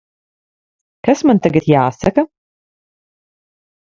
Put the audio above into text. Kas man tagad jāsaka?